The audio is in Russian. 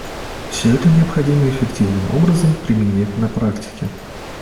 Все это необходимо эффективным образом применять на практике.